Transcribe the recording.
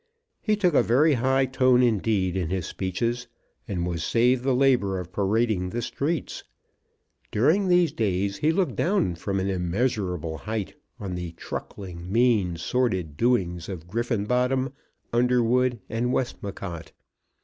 He took a very high tone indeed in his speeches, and was saved the labour of parading the streets. During these days he looked down from an immeasurable height on the truckling, mean, sordid doings of Griffenbottom, Underwood, and Westmacott.